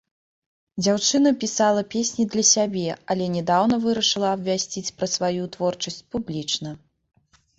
Дзяўчына пісала песні для сябе, але нядаўна вырашыла абвясціць пра сваю творчасць публічна.